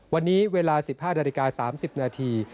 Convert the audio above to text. วันนี้เวลา๑๕นาฬิกา๓๐นาที